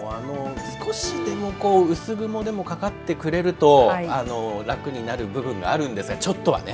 少しでも薄雲でもかかってくれると楽になる部分があるんですがちょっとはね。